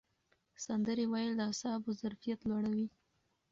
سندرې ویل د اعصابو ظرفیت لوړوي.